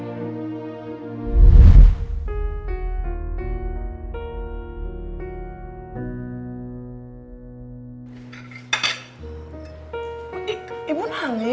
untuk yang terakhir kali